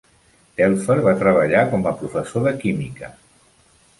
Telfer va treballar com a professor de química.